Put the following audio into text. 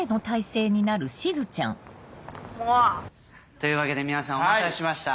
というわけで皆さんお待たせしました。